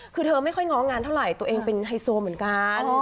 คือเธอไม่ค่อยง้องานเท่าไหร่ตัวเองเป็นไฮโซเหมือนกัน